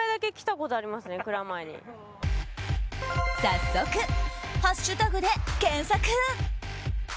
早速、ハッシュタグで検索。